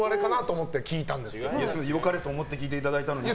良かれと思って聞いていただいたのに。